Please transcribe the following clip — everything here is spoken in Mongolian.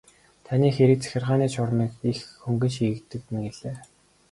Таны хэрэг захиргааны журмаар их хөнгөн шийдэгдэнэ гэлээ.